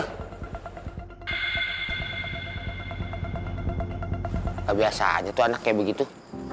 nggak biasa aja tuh anaknya begitu